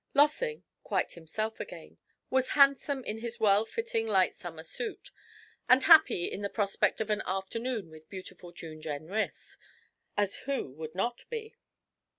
Lossing, quite himself again, was handsome in his well fitting light summer suit, and happy in the prospect of an afternoon with beautiful June Jenrys, as who would not be?